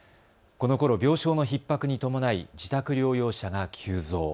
このころ病床のひっ迫に伴い自宅療養者が急増。